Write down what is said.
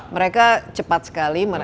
mereka cepat sekali